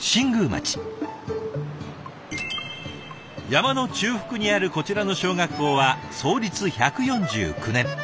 山の中腹にあるこちらの小学校は創立１４９年。